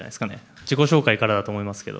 自己紹介からだと思いますけど。